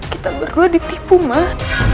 kita berdua ditipu mah